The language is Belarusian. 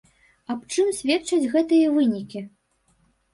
Аб чым сведчаць гэтыя вынікі?